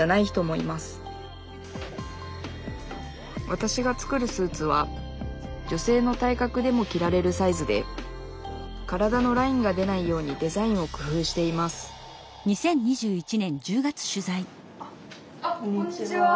わたしが作るスーツは女性の体格でも着られるサイズで体のラインが出ないようにデザインをくふうしていますあっこんにちは。